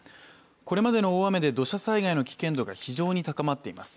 これまでの大雨で土砂災害の危険度が非常に高まっています。